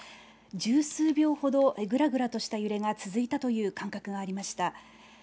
十数秒ほどぐらぐらとした揺れが続いたという感覚がありました。